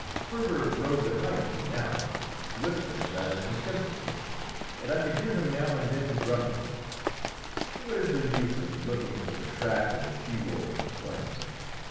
Sperver rode behind me now, whistling rather contemptuously, and I could hear him now and then grumbling "What is the use of looking for the track of the she wolf in the plain?